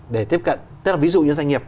để tiếp cận tức là ví dụ như doanh nghiệp